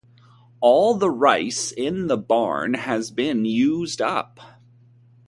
All the rice in the barn has been used up.